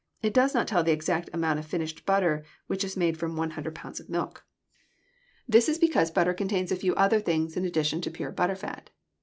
It does not tell the exact amount of finished butter which is made from 100 pounds of milk. This is because butter contains a few other things in addition to pure butter fat.